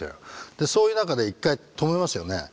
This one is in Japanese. でそういう中で１回留めますよね。